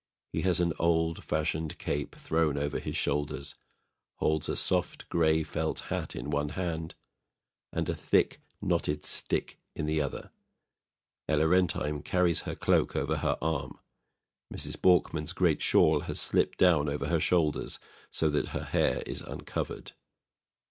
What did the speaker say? He has an old fashioned cape thrown over his shoulders, holds a soft grey felt hat in one hand and a thick knotted stick in the other. ELLA RENTHEIM carries her cloak over her arm. MRS. BORKMAN's great shawl has slipped down over her shoulders, so that her hair is uncovered.